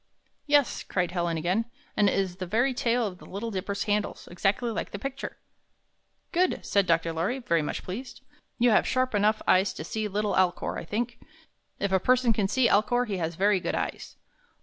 "Yes," cried Helen again, "and it is the very tail of the Little Dipper's handle, exactly like the picture." "Good!" said Dr. Lorry, very much pleased. "You have sharp enough eyes to see little Alcor, I think. If a person can see Alcor, he has very good eyes.